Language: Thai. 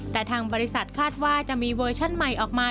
แต่ทางบริษัทคาดว่าจะมีเวอร์ชั่นใหม่ออกมา